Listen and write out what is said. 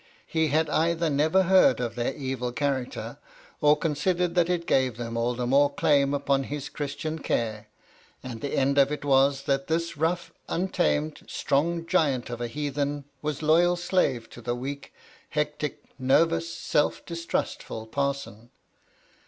He had either never heard of their evil character, or considered that it gave them all the more claims upon his Christian care, and the end of it was that this rough, untamed, strong giant of a heathen was loyal slave to the weak, hectic, nervous, self distrustful parson.